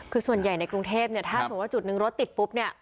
คือส่วนใหญ่ในกรุงเทพเนี่ยถ้าสมมุติว่าจุดนึงรถติดปุ๊บเนี่ย